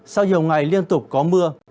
sau nhiều ngày liên tục có mưa